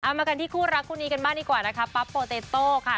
มากันที่คู่รักคู่นี้กันบ้างดีกว่านะคะปั๊บโปเตโต้ค่ะ